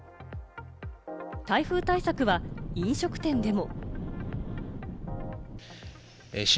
台風対策は飲食店でも。